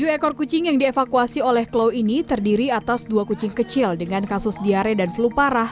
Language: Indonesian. tujuh ekor kucing yang dievakuasi oleh klau ini terdiri atas dua kucing kecil dengan kasus diare dan flu parah